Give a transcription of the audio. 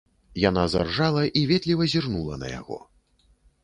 Яна заржала і ветліва зірнула на яго.